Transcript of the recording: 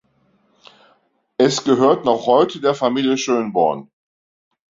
Es gehört noch heute der Familie Schönborn.